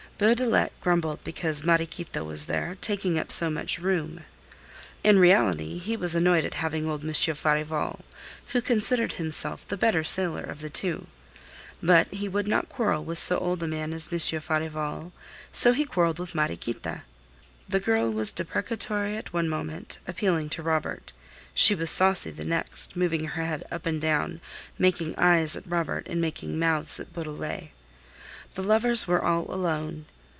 Beaudelet grumbled because Mariequita was there, taking up so much room. In reality he was annoyed at having old Monsieur Farival, who considered himself the better sailor of the two. But he would not quarrel with so old a man as Monsieur Farival, so he quarreled with Mariequita. The girl was deprecatory at one moment, appealing to Robert. She was saucy the next, moving her head up and down, making "eyes" at Robert and making "mouths" at Beaudelet. The lovers were all alone.